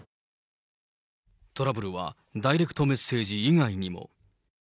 トラブルはダイレクトメッセージ以外にも。